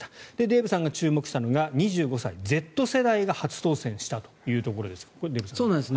デーブさんが注目したのが２５歳、Ｚ世代が初当選したというところですがこれ、デーブさん。